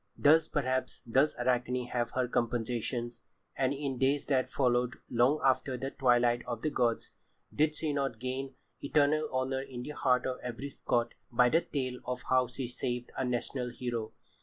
Thus, perhaps, does Arachne have her compensations, and in days that followed long after the twilight of the gods, did she not gain eternal honour in the heart of every Scot by the tale of how she saved a national hero?